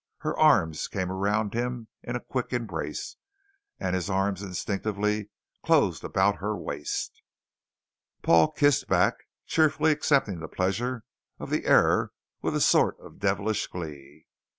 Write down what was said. Her arms came around him in a quick embrace, and his arms instinctively closed about her waist. Paul kissed back, cheerfully accepting the pleasure of the error with a sort of devilish glee.